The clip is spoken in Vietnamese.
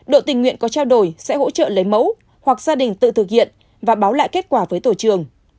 đội tình nguyện có trao đổi sẽ hỗ trợ lấy mẫu hoặc gia đình tự thực hiện và báo lại kết quả với tổ trường